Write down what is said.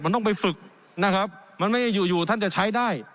มันต้องไปฝึกนะครับมันไม่ได้อยู่อยู่ท่านจะใช้ได้